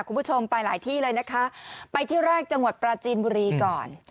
คุณผู้ชมไปหลายที่เลยนะคะไปที่แรกจังหวัดปราจีนบุรีก่อน